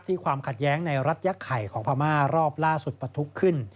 ความขัดแย้งในรัฐยักษ์ไข่ของพม่ารอบล่าสุดประทุกขึ้น